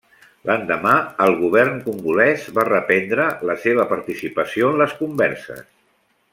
L'endemà, el govern congolès va reprendre la seva participació en les converses.